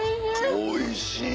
おいしい！